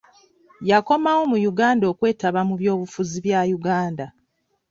Yakomawo mu Uganda okwetaba mu byobufuzi bya Uganda